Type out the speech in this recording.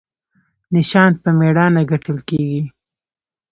نشان په میړانه ګټل کیږي